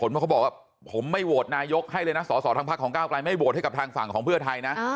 เพราะเขาบอกว่าผมไม่โหวตนายกให้เลยนะสอสอทางพักของก้าวกลายไม่โหวตให้กับทางฝั่งของเพื่อไทยนะ